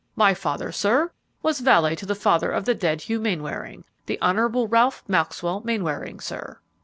My father, sir, was valet to the father of the dead Hugh Mainwaring, the Honorable Ralph Maxwell Mainwaring, sir."